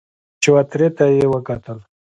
چوترې ته يې وکتل.